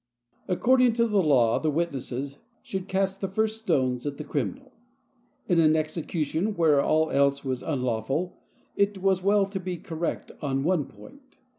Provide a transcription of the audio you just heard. According to the Law the witnesses should cast the first stones at the criminal. In an execution where all else was unlawful, it was well to be correct on one point.